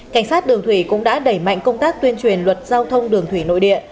cảnh sát đường thủy cũng đã đẩy mạnh công tác tuyên truyền luật giao thông đường thủy nội địa